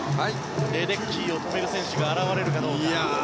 レデッキーを止める選手が現れるかどうか。